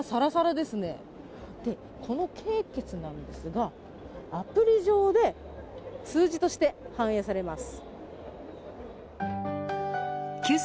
でこの経血なんですがアプリ上で数字として反映されます。